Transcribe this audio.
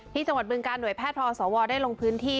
จังหวัดบึงการหน่วยแพทย์ทศวได้ลงพื้นที่